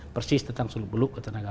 persis tentang suluk beluk ketenagaan